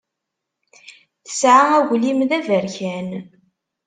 Tesɛa aglim d aberkan.